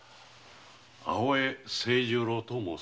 青江清十郎と申す。